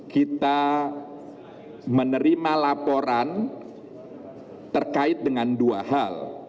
kita menerima laporan terkait dengan dua hal